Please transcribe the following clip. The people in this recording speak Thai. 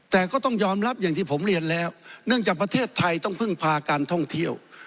แต่ก็ต้องยอมรับอย่างที่ผมเรียนแล้วเนื่องจากประเทศไทยต้องพึ่งพาการท่องเที่ยว